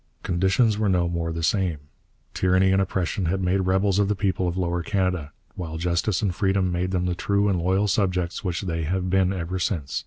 Conditions were no more the same. Tyranny and oppression had made rebels of the people of Lower Canada, while justice and freedom made them the true and loyal subjects which they have been ever since.